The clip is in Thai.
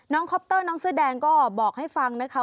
คอปเตอร์น้องเสื้อแดงก็บอกให้ฟังนะคะ